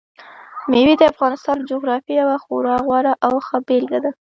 مېوې د افغانستان د جغرافیې یوه خورا غوره او ښه بېلګه ده.